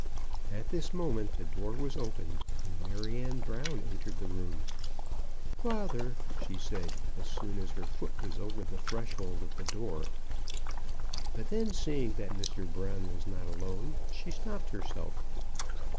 At this moment the door was opened, and Maryanne Brown entered the room. "Father," she said, as soon as her foot was over the threshold of the door; but then seeing that Mr. Brown was not alone, she stopped herself.